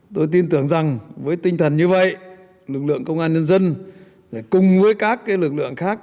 tôi tin tưởng rằng với tinh thần như vậy lực lượng công an nhân dân cùng với các lực lượng khác